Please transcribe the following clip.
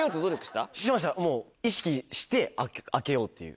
しましたもう意識して開けようっていう。